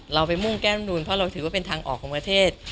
เราไปมุ่งแก้มนูนเพราะเราถือว่าเป็นทางออกของประเทศ